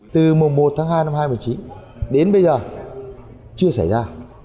từ mùa một tháng hai năm hai nghìn một mươi chín đến bây giờ chưa xảy ra